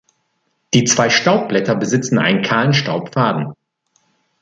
Die zwei Staubblätter besitzen einen kahlen Staubfaden.